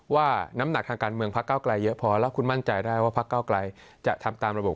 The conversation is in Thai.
ว่าน้ำหนักทางการเมืองพักเก้าไกลเยอะพอแล้วคุณมั่นใจได้ว่าพักเก้าไกลจะทำตามระบบ